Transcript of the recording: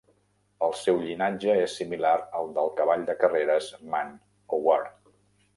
El seu llinatge és similar al del cavall de carreres Man O' War.